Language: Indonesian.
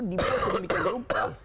dibawa sebagai mikro grup